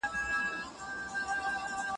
زړورتیا بریالیتوب دی.